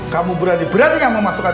kamu berani berani yang memasukkan